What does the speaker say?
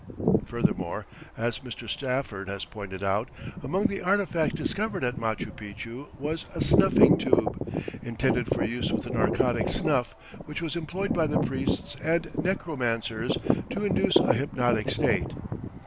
Furthermore, as Mr. Safford has pointed out, among the artifacts discovered at Machu Picchu was a "snuffing tube" intended for use with the narcotic snuff which was employed by the priests and necromancers to induce a hypnotic state.